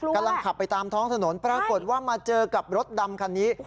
กำลังขับไปตามท้องถนนปรากฏว่ามาเจอกับรถดำคันนี้